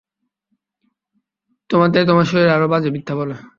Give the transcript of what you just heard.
তোমার থেকে তোমার শরীর আরও বাজে মিথ্যা বলে।